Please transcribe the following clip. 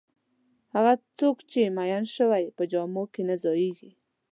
هغه څوک چې میین شوی په جامو کې نه ځایېږي.